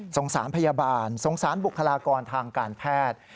สารพยาบาลสงสารบุคลากรทางการแพทย์